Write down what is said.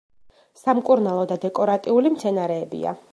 სამკურნალო და დეკორატიული მცენარეებია.